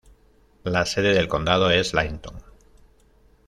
La sede del condado es Linton.